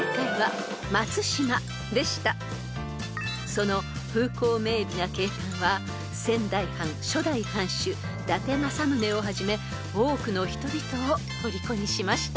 ［その風光明媚な景観は仙台藩初代藩主伊達政宗をはじめ多くの人々をとりこにしました］